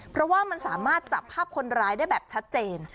เพราะว่ามันสามารถจับภาพคนร้ายได้แบบชัดเจน